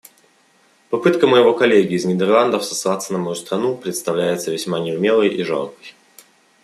Попытка моего коллеги из Нидерландов сослаться на мою страну представляется весьма неумелой и жалкой.